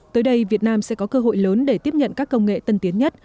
tới đây việt nam sẽ có cơ hội lớn để tiếp nhận các công nghệ tân tiến nhất